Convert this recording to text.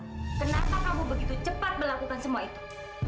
kenapa kamu begitu cepat melakukan semua itu